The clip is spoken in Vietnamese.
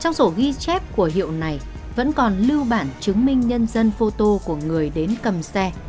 trong sổ ghi chép của hiệu này vẫn còn lưu bản chứng minh nhân dân photo của người đến cầm xe